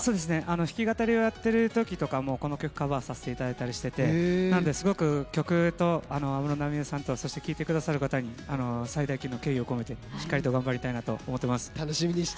弾き語りをやっているときとかもこの曲をカバーさせていただいたりしていてなので、すごく曲と安室奈美恵さんと聴いてくださる方に最大級の敬意を込めてしっかりと頑張りたいなと思っています。